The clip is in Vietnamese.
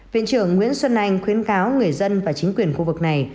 viện trưởng nguyễn xuân anh khuyến cáo người dân và chính quyền khu vực này